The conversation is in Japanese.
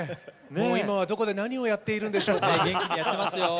今どこで何をやっているんでしょう？